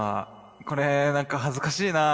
これ何か恥ずかしいなあ。